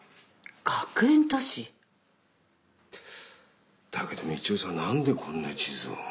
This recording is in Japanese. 学園都市？だけど道夫さん何でこんな地図を？